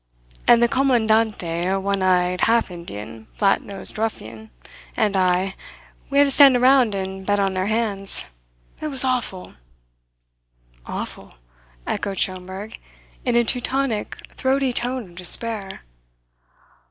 And the comandante, a one eyed, half Indian, flat nosed ruffian, and I, we had to stand around and bet on their hands. It was awful!" "Awful," echoed Schomberg, in a Teutonic throaty tone of despair.